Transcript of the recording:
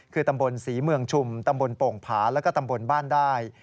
คือตำบลศรีเมืองชุมตำบลโป่งผาแล้วก็ตำบลบ้านได้